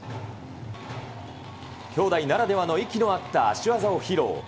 姉弟ならではの息の合った足技を披露。